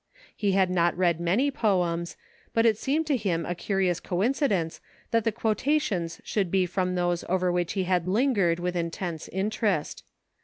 He had not read many poems, but it seemed to him a curious coincidence that the quotations should be from those over which he had lingered with intense interest.